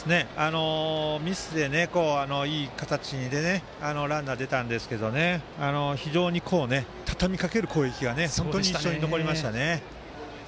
ミスでいい形でランナーが出たんですがたたみかける攻撃が非常に印象に残りましたね。